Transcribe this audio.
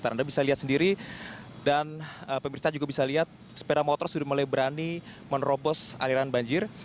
anda bisa lihat sendiri dan pemirsa juga bisa lihat sepeda motor sudah mulai berani menerobos aliran banjir